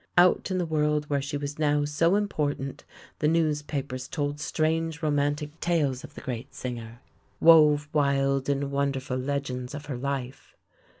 Out in the world where she was now so important the newspapers told strange romantic tales of the great singer, wove wild and wonderful le gends of her life.